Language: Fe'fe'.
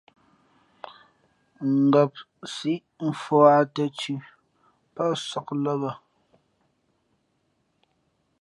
Ngāp síʼ mfūᾱ tα̌ thʉ̄ pάʼ nsāk lά bᾱ.